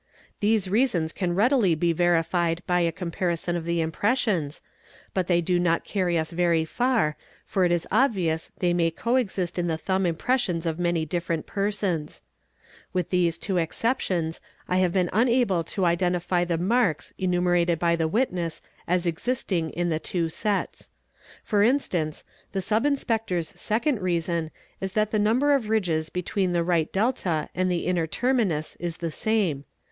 'These reasons can readily be verified by a comparison of th impressions, but they do not carry us very far, for it is obvious they ma co exist in the thumb impressions of many different persons. With tk a two exceptions I have been unable to identify the marks enumerated I the witness as existing in the two sets. For instance, the Sub Inspector second reason is that the number of ridges between the right delta ai the inner terminus is the same.